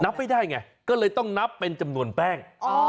ไม่ได้ไงก็เลยต้องนับเป็นจำนวนแป้ง